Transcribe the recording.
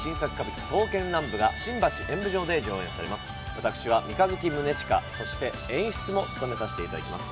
私は三日月宗近そして演出も務めさせていただきます。